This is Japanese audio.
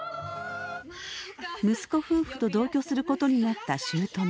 息子夫婦と同居することになったしゅうとめ。